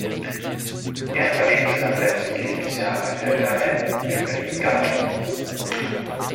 Er verlebte seine letzten Lebensjahre in der Villa Lemm in Berlin-Gatow.